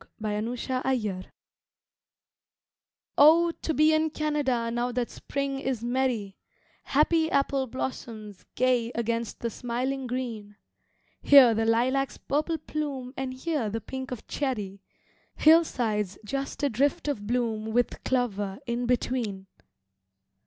From the Trenches OH, to be in Canada now that Spring is merry, Happy apple blossoms gay against the smiling green; Here the lilac's purple plume and here the pink of cherry, Hillsides just a drift of bloom with clover in between!